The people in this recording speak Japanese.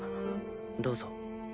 どうぞ。